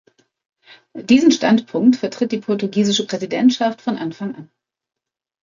Diesen Standpunkt vertritt die portugiesische Präsidentschaft von Anfang an.